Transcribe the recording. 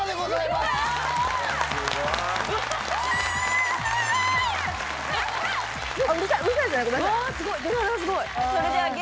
「すごいよ」